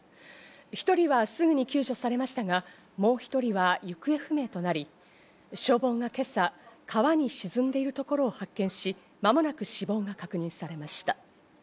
１人はすぐに救助されましたが、もう１人は行方不明となり、消防が今朝、川に沈んでいるところを発見し、間もなく死亡が確認されました。